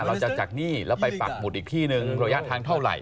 หลังจากจากนี่แล้วไปปักหมุดอีกที่หนึ่งระยะทางเท่าไหร่